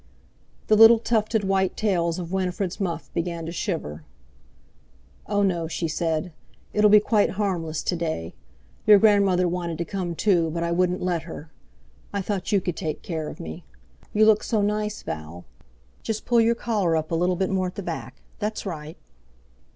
The little tufted white tails of Winifred's muff began to shiver. "Oh, no," she said, "it'll be quite harmless to day. Your grandmother wanted to come too, but I wouldn't let her. I thought you could take care of me. You look so nice, Val. Just pull your coat collar up a little more at the back—that's right."